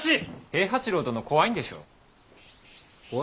平八郎殿怖いんでしょ。